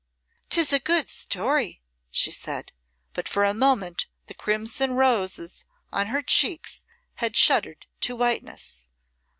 "'Tis a good story," she said, but for a moment the crimson roses on her cheeks had shuddered to whiteness.